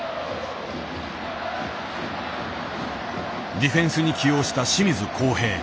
ディフェンスに起用した清水航平。